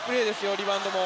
リバウンドも。